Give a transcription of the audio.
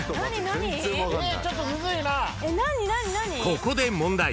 ［ここで問題。